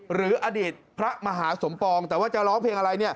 หรืออดีตพระมหาสมปองแต่ว่าจะร้องเพลงอะไร